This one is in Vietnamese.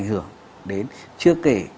đưa đến chưa kể